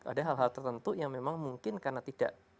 ada hal hal tertentu yang memang mungkin karena tidak